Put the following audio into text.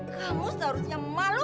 kamu seharusnya malu